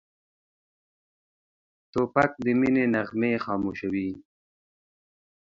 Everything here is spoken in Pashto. توپک د مینې نغمې خاموشوي.